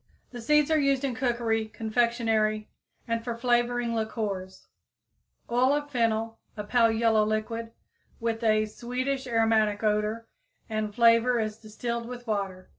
The seeds are used in cookery, confectionery and for flavoring liquors. Oil of fennel, a pale yellow liquid, with a sweetish aromatic odor and flavor, is distilled with water.